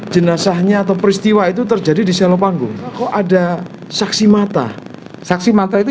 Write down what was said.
jenazahnya atau peristiwa itu terjadi di selopanggung kok ada saksi mata saksi mata itu